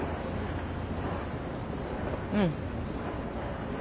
うん。